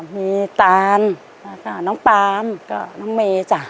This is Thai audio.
มีตานแล้วก็น้องปาล์มก็น้องเมจ่ะ